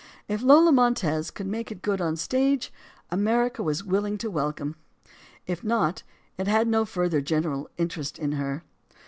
If Lola Montez could make good on the stage, America was willing to welcome her: If not, it had no further general interest in her.